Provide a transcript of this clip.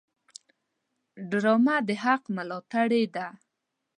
ډرامه د حق ملاتړې ده